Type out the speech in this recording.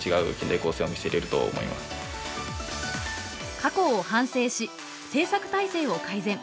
過去を反省し製作体制を改善。